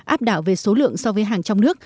áp đảo về số lượng